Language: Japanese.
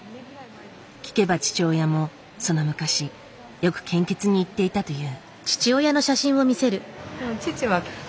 聞けば父親もその昔よく献血に行っていたという。